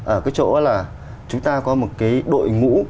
ở cái chỗ là chúng ta có một cái đội ngũ